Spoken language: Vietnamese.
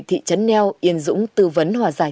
thị trấn neo yên dũng tư vấn hòa giải